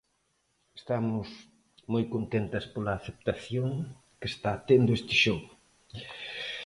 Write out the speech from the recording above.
Estamos moi contentas pola aceptación que está tendo este xogo.